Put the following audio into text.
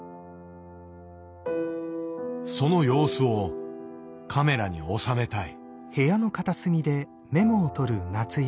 その様子をカメラに収めたい。